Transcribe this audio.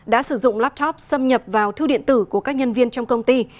đã sử dụng laptop xâm nhập vào thư điện tử của các nhân viên trong công ty